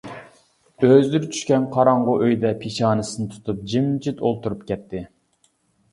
ئۆزلىرى چۈشكەن قاراڭغۇ ئۆيدە پېشانىسىنى تۇتۇپ جىمجىت ئولتۇرۇپ كەتتى.